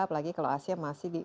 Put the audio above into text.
apalagi kalau asia masih di